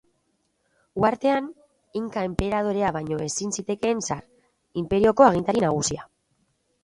Uhartean, inka enperadorea baino ezin zitekeen sar, inperioko agintari nagusia.